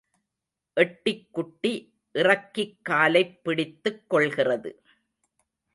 எட்டிக் குட்டி இறக்கிக் காலைப் பிடித்துக் கொள்கிறது.